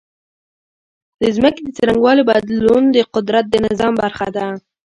د ځمکې د څرنګوالي بدلون د قدرت د نظام برخه ده.